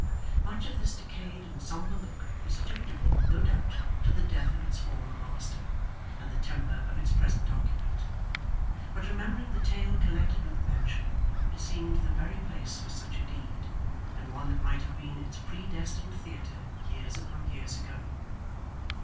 Much of this decayed and sombre look was attributable, no doubt, to the death of its former master, and the temper of its present occupant; but remembering the tale connected with the mansion, it seemed the very place for such a deed, and one that might have been its predestined theatre years upon years ago.